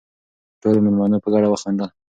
ټولو مېلمنو په ګډه وخندل.